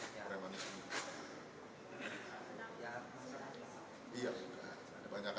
terima kasih pak